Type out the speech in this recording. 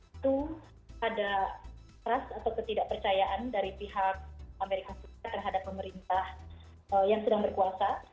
itu ada trust atau ketidakpercayaan dari pihak amerika serikat terhadap pemerintah yang sedang berkuasa